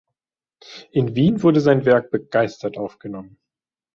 In Wien wurde sein Werk begeistert aufgenommen.